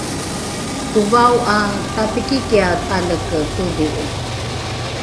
kovao ’a tapikikiae taleke todhi’i